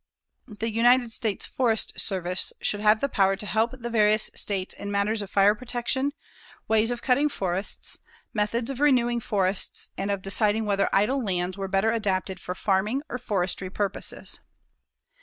The United States Forest Service should have the power to help the various states in matters of fire protection, ways of cutting forests, methods of renewing forests and of deciding whether idle lands were better adapted for farming or forestry purposes.